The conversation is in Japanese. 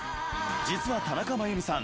実は田中真弓さん